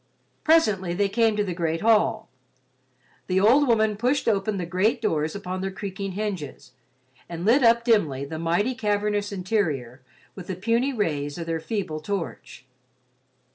Presently they came to the great hall. The old woman pushed open the great doors upon their creaking hinges and lit up dimly the mighty, cavernous interior with the puny rays of their feeble torch.